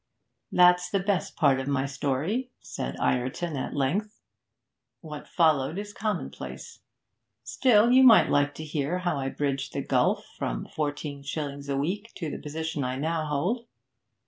'That's the best part of my story,' said Ireton at length. 'What followed is commonplace. Still, you might like to hear how I bridged the gulf, from fourteen shillings a week to the position I now hold.